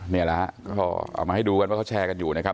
นี่แหละฮะก็เอามาให้ดูกันว่าเขาแชร์กันอยู่นะครับ